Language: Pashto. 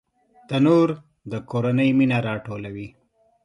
تنور د کورنۍ مینه راټولوي